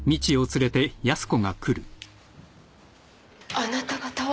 あなた方は？